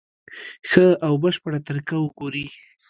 ښه او بشپړه طریقه وګوري.